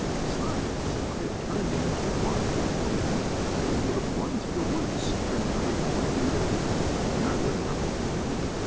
Besides, if I had turned him into a lion or an elephant he would have run through the woods, scaring every one he met, and that would not have been right.